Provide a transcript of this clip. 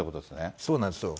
そうなんですよ。